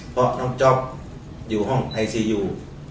เพราะน้องจ๊อปอยู่ห้องไอซียู